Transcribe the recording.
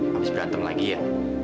habis berantem lagi ya